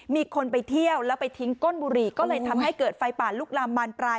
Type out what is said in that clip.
มีคนไปเที่ยวแล้วไปทิ้งก้นบุหรี่ก็เลยทำให้เกิดไฟป่าลุกลามบานปลาย